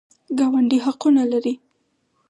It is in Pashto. ګاونډي حقونه لري